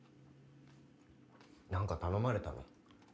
何か頼まれたの？